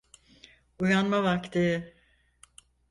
Uyanma vakti.